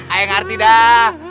ayo ngerti dah